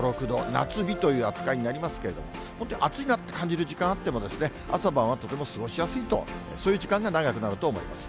夏日という扱いになりますけど、本当に暑いなと感じる時間があってもですね、朝晩はとても過ごしやすいと、そういう時間が長くなると思います。